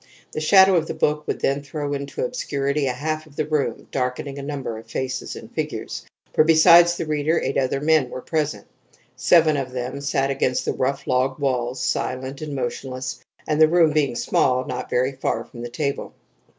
The shadow of the book would then throw into obscurity a half of the room, darkening a number of faces and figures; for besides the reader, eight other men were present. Seven of them sat against the rough log walls, silent and motionless, and, the room being small, not very far from the table.